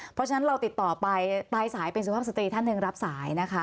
เพราะฉะนั้นเราติดต่อไปปลายสายเป็นสุภาพสตรีท่านหนึ่งรับสายนะคะ